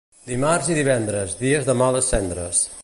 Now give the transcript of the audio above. Dimarts i divendres, dies de males cendres.